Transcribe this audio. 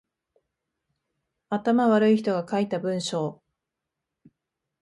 頭悪い人が書いた文章